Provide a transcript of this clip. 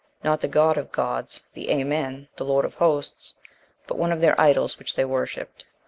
not the God of gods, the Amen, the Lord of Hosts, but one of their idols which they worshipped.